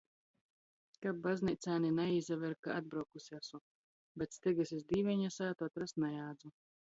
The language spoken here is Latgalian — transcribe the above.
Kab bazneicāni naīsaver, ka atbraukuse asu, bet stygys iz Dīveņa sātu atrast najādzu.